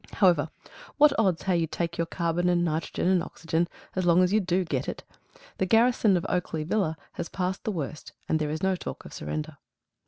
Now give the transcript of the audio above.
However, what odds how you take your carbon and nitrogen and oxygen, as long as you DO get it? The garrison of Oakley Villa has passed the worst, and there is no talk of surrender.